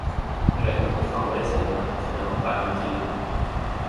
เมื่อไหร่ที่พวกเขาไม่ได้ใส่มัน เขาจะต้องการมันทีหลัง